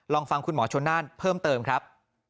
ลองฟังคุณหมอชนน่านเพิ่มเติมครับ